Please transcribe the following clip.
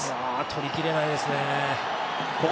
取りきれないですね。